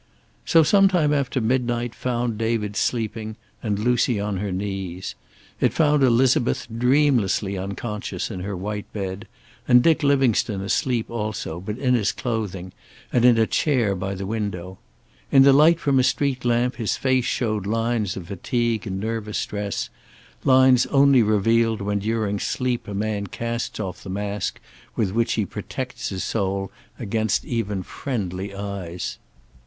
So sometime after midnight found David sleeping, and Lucy on her knees. It found Elizabeth dreamlessly unconscious in her white bed, and Dick Livingstone asleep also, but in his clothing, and in a chair by the window. In the light from a street lamp his face showed lines of fatigue and nervous stress, lines only revealed when during sleep a man casts off the mask with which he protects his soul against even friendly eyes.